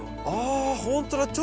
あほんとだ。